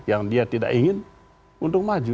yang dia tidak ingin untuk maju